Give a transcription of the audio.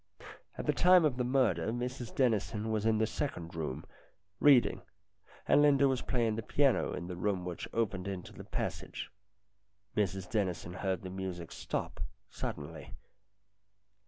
At the time of the murder Mrs Dennison was in the second room, reading, and Linda was playing the piano in the room which opened into the passage. Mrs Dennison heard the music stop suddenly.